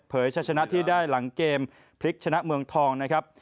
ชะชนะที่ได้หลังเกมพลิกชนะเมืองทองนะครับ